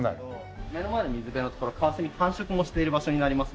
目の前の水辺の所カワセミ繁殖もしている場所になりますので。